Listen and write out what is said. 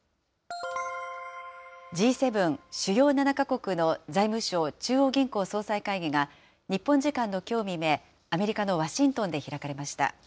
Ｇ７・主要７か国の財務相・中央銀行総裁会議が、日本時間のきょう未明、アメリカのワシントンで開かれました。